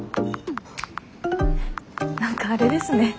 何かあれですね。